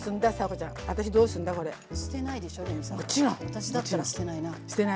私だったら捨てないな。